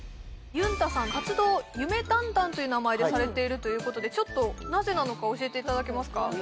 ゆんたさん活動を夢だんだんという名前でされているということでなぜなのか教えていただけますか